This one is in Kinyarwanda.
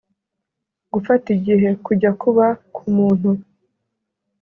gufata igihe: kujya kuba ku muntu